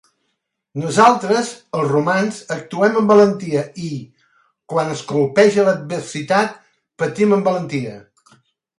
Nosaltres, els romans, actuem amb valentia i, quan ens colpeja l'adversitat, patim amb valentia.